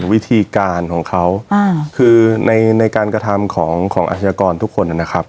วิธีการของเขาคือในในการกระทำของอาชญากรทุกคนนะครับ